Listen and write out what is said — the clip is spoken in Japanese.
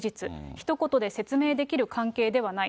ひと言で説明できる関係ではない。